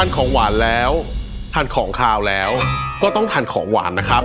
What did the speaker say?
ของหวานแล้วทานของขาวแล้วก็ต้องทานของหวานนะครับ